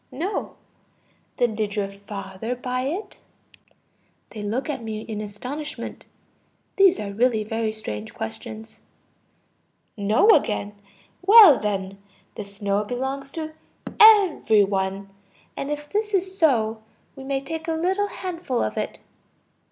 No. Then did your father buy it? (They look at me in astonishment; these are really very strange questions.) No, again. Well then, the snow belongs to every one. And if this is so, we may take a little handful of it.